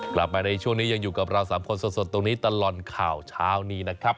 กลับมาในช่วงนี้ยังอยู่กับเรา๓คนสดตรงนี้ตลอดข่าวเช้านี้นะครับ